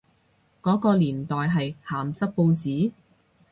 嗰個年代嘅鹹濕報紙？